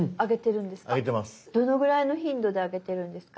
どのぐらいの頻度であげてるんですか？